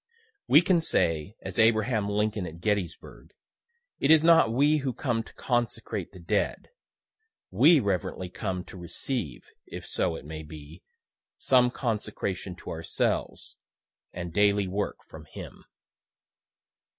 We can say, as Abraham Lincoln at Gettysburg, It is not we who come to consecrate the dead we reverently come to receive, if so it may be, some consecration to ourselves and daily work from him.